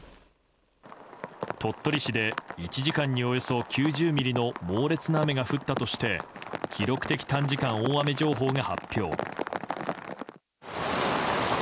鳥取市で１時間におよそ９０ミリの猛烈な雨が降ったとして記録的短時間大雨情報が発表。